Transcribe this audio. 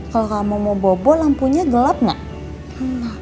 kalau kamu mau bobo lampunya gelap nggak